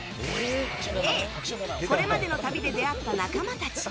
Ａ、これまでの旅で出会った仲間たち。